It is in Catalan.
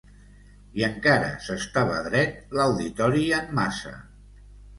I encara s'estava dret l'auditori en massa